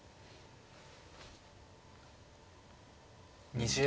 ２０秒。